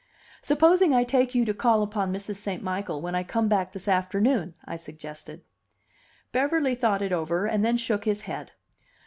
"Supposing I take you to call upon Mrs. St. Michael when I come back this afternoon?" I suggested. Beverly thought it over, and then shook his head.